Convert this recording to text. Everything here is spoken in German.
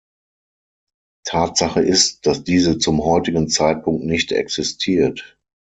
Tatsache ist, dass diese zum heutigen Zeitpunkt nicht existiert.